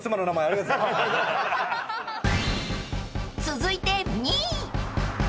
［続いて２位］